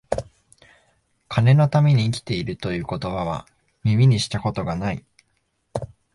金のために生きている、という言葉は、耳にした事が無い